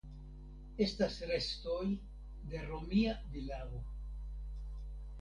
Estas restoj de romia vilao.